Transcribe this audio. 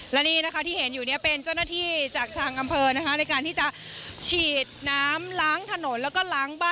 และนี่นะคะที่เห็นอยู่เนี่ยเป็นเจ้าหน้าที่จากทางอำเภอนะคะในการที่จะฉีดน้ำล้างถนนแล้วก็ล้างบ้าน